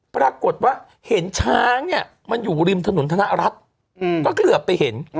ปรากฏว่าเห็นช้างเนี่ยมันอยู่ริมถนนธนรัฐก็เหลือไปเห็น